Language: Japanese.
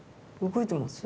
動いてます？